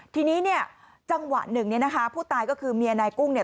ทีนี้เนี่ยจังหวะหนึ่งเนี่ยนะคะผู้ตายก็คือเมียนายกุ้งเนี่ย